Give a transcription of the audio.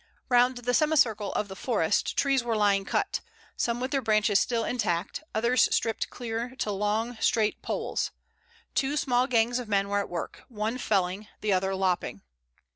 Round the semicircle of the forest trees were lying cut, some with their branches still intact, others stripped clear to long, straight poles. Two small gangs of men were at work, one felling, the other lopping.